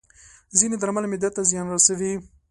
ځینې درمل معده ته زیان رسوي.